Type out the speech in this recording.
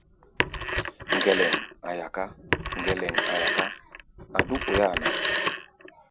Ŋgɛlɛŋ a̧ yaká, ŋgɛlɛŋ a̧ yaká, a̧ dúk oi-áa ná.